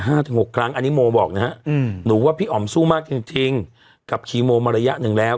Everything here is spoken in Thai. ถึงหกครั้งอันนี้โมบอกนะฮะอืมหนูว่าพี่อ๋อมสู้มากจริงจริงกับคีโมมาระยะหนึ่งแล้ว